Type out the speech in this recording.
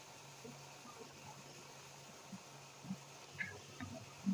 tangu mkuu wa jeshi Abdel Fattah al-Burhan kuongoza